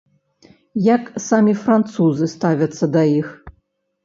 Як самі французы ставяцца да іх?